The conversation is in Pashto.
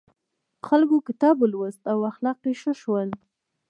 خلکو کتاب ولوست او اخلاق یې ښه شول.